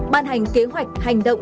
ban hành kế hoạch hành động